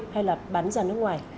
hay là bán ra nước ngoài